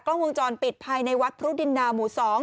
กล้องวงจรปิดภายในวัดพรุดินนาหมู่๒